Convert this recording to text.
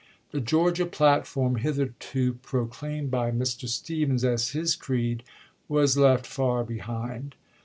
The " Georgia platform," chap. xii. hitherto proclaimed by Mr. Stephens as his creed, was left far behind.